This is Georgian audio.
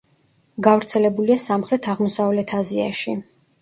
გავრცელებულია სამხრეთ-აღმოსავლეთ აზიაში.